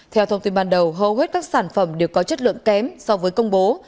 theo thông tin ban đầu hầu hết các sản phẩm đều có chất lượng kém so với công bố